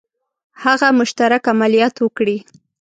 هغه مشترک عملیات وکړي.